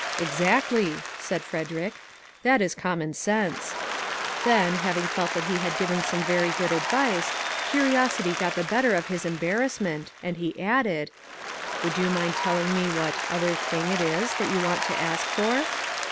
" Exactly," said Frederick; " that is common 63 MAG AND MARGARET sense." Then, having felt that he had given some very good advice, curiosity got the better of his embarrassment, and he added :" Would you mind telling me what ' other thing ' it is that you want to ask for